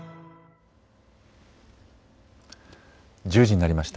１０時になりました。